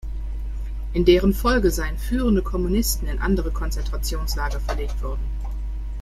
In deren Folge seien führende Kommunisten in andere Konzentrationslager verlegt worden.